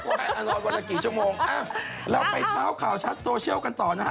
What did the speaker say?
บุ๊กไอ้อ่านออนวันละกี่ชั่วโมงเราไปเช่าข่าวชัดโซเชียลกันต่อนะฮะ